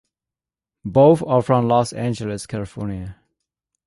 Both are from Los Angeles, California.